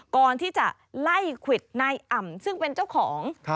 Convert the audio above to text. ก่อนที่จะไล่ควิดนายอ่ำซึ่งเป็นเจ้าของ